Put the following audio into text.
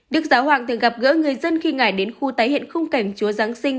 đức giáo hoàng thường gặp gỡ người dân khi ngại đến khu tái hiện khung cảnh chúa giáng sinh